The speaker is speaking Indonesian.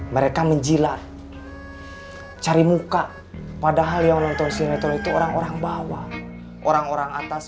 mereka menjila cari muka padahal yang nonton sinetron itu orang orang bawah orang orang atas